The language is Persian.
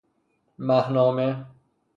مهنامه